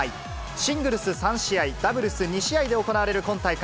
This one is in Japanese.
シングルス３試合、ダブルス２試合で行われる今大会。